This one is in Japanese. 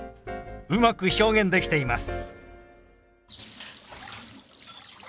うまく表現できています。